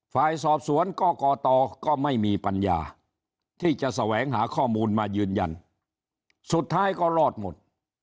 ฝ่ายสอบสวนก็ก่อตก็ไม่มีปัญญาที่จะแสวงหาข้อมูลมายืนยันสุดท้ายก็รอดหมด